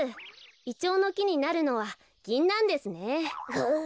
イチョウのきになるのはギンナンですね。